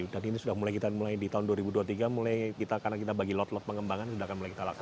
dan ini sudah mulai kita mulai di tahun dua ribu dua puluh tiga mulai karena kita bagi lot lot pengembangan sudah akan mulai kita lakukan